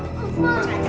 jangan jangan jangan